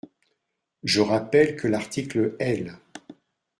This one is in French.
Je rappelle que l’article L.